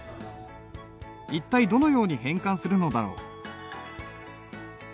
一体どのように変換するのだろう。